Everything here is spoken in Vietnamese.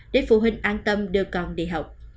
để phụ huynh an tâm đưa con đi học